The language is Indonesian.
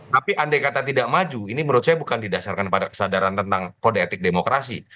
tapi andai kata tidak maju ini menurut saya bukan didasarkan pada kesadaran tentang kode etik demokrasi